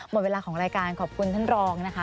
หมดเวลาของรายการขอบคุณท่านรองนะคะ